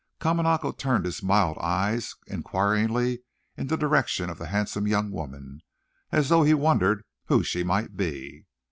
Kamanako turned his mild eyes inquiringly in the direction of the handsome young woman, as though he wondered who she might be.